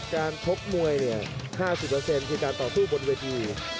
การคกมวยเนี่ย๕๐คือการต่อสู้บนเวที